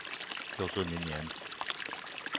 就是明年？